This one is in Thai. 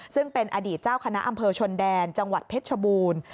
ซึ่งเป็นอดีตเจ้าคณะอำเภอชนแดนจังหวัดเพชรชบูรณ์